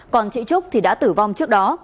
còn chị trúc thì đã tử vong trước đó